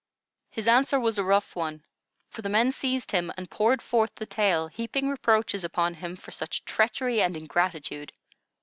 His answer was a rough one, for the men seized him and poured forth the tale, heaping reproaches upon him for such treachery and ingratitude.